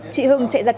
chị hưng chạy ra cạnh